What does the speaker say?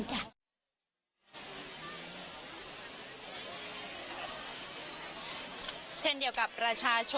เฉพาะเดี่ยวกับราชาชน